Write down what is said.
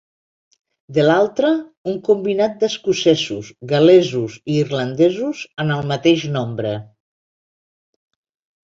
De l'altra, un combinat d'escocesos, gal·lesos i irlandesos en el mateix nombre.